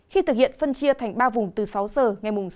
khi thực hiện phân chia thành ba vùng từ sáu giờ ngày sáu